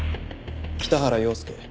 北原陽介。